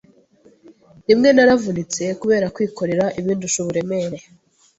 Rimwe naravunitse kubera kwikorera ibindusha uburemere,